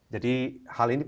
jadi hal ini penting